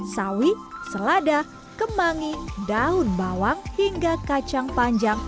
sawi selada kemangi daun bawang hingga kacang panjang